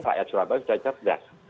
rakyat surabaya sudah cerdas